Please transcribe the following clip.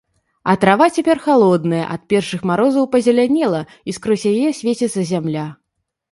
А трава цяпер халодная, ад першых марозаў пазелянела, і скрозь яе свеціцца зямля.